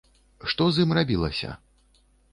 Што з ім рабілася?